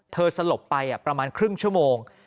สลบไปประมาณครึ่งชั่วโมง